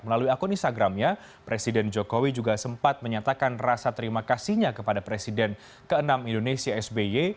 melalui akun instagramnya presiden jokowi juga sempat menyatakan rasa terima kasihnya kepada presiden ke enam indonesia sby